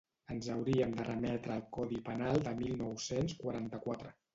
Ens hauríem de remetre al codi penal del mil nou-cents quaranta-quatre.